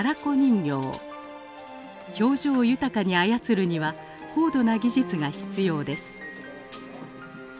表情豊かに操るには高度な技術が必要です。